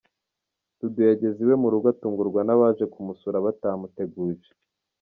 Dudu yageze iwe mu rugo atungurwa n'abaje kumusura batamuteguje.